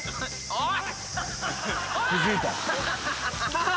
おい！